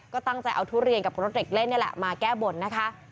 ก็ตั้งใจเอาทุเรียนกับรถเด็กเล่นนี่แหละมาแก้บนนะคะ